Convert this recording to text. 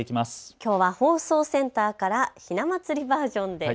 きょうは放送センターからひな祭りバージョンです。